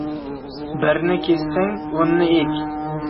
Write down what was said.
Birni kessang, o‘nni ek...